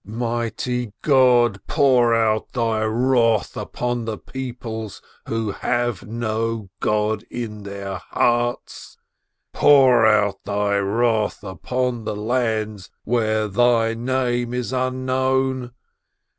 "Mighty God! Pour out Thy wrath on the peoples who 'have no God in their hearts ! Pour out Thy wrath upon the lands where Thy Name is unknown